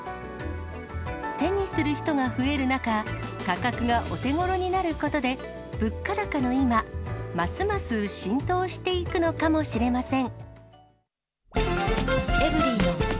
手にする人が増える中、価格がお手ごろになることで、物価高の今、ますます浸透していくのかもしれません。